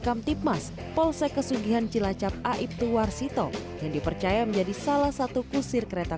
kamtipmas polsek kesugihan cilacap aibtu warsito yang dipercaya menjadi salah satu kusir kereta